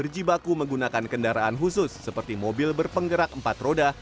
dan kendaraan khusus seperti mobil berpenggerak empat roda